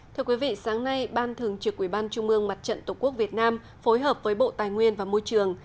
thưa quý vị sáng nay ban thường trực ubnd tổ quốc việt nam phối hợp với bộ tài nguyên và môi trường